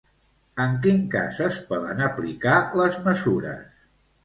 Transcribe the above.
En quin cas es poden aplicar les mesures?